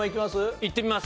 いってみます。